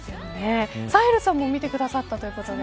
サヘルさんも見てくださったということで。